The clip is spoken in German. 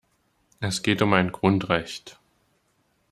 Es geht um ein Grundrecht.